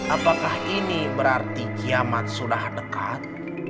apakah ini berarti kiamat sudah dekat